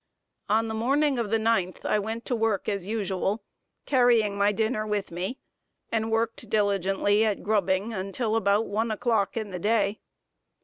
On the morning of the ninth I went to work as usual, carrying my dinner with me, and worked diligently at grubbing until about one o'clock in the day.